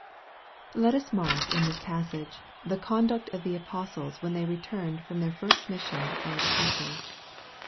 LET us mark in this passage, the conduct of the apostles when they returned from their first mission as preachers.